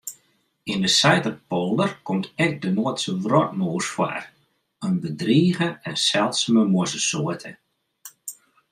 Yn de Saiterpolder komt ek de Noardske wrotmûs foar, in bedrige en seldsume mûzesoarte.